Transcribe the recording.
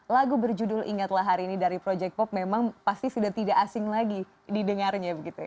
lagu berjudul ingatlah hari ini dari project pop memang pasti sudah tidak asing lagi didengarnya begitu ya